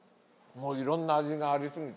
もういろんな味がありすぎて。